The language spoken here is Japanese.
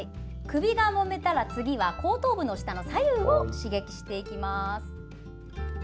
首がもめたら次は後頭部の下の左右を刺激していきます。